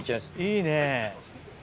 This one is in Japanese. いいね。